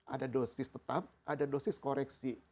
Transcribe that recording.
ada dosis tetap ada dosis koreksi